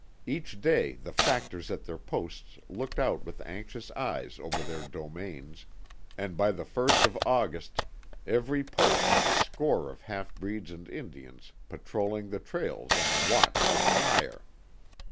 Each day the factors at their posts looked out with anxious eyes over their domains, and by the first of August every post had a score of halfbreeds and Indians patrolling the trails on the watch for fire.